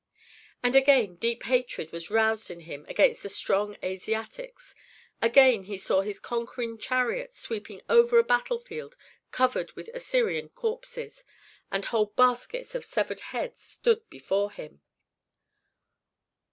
And again deep hatred was roused in him against the strong Asiatics; again he saw his conquering chariot sweeping over a battlefield covered with Assyrian corpses, and whole baskets of severed hands stood before him.